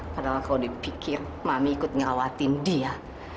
padahal kalau dipikir mami ikut ngerawatin dia